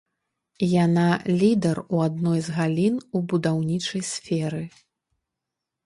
Яна лідар у адной з галін у будаўнічай сферы.